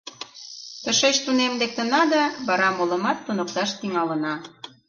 Тышеч тунем лектына да вара молымат туныкташ тӱҥалына.